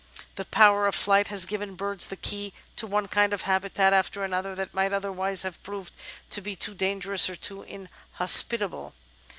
The power of flight has given birds the key to one kind of habitat after another that might otherwise have proved to be too dangerous or too inhospitable.